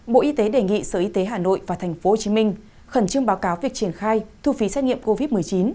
bộ y tế đề nghị sở y tế hà nội và tp hcm khẩn trương báo cáo việc triển khai thu phí xét nghiệm covid một mươi chín